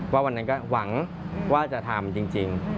วันนั้นก็หวังว่าจะทำจริง